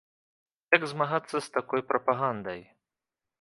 Як змагацца з такой прапагандай?